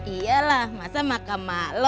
iya lah masa makam mak lu